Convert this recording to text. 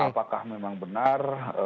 apakah memang benar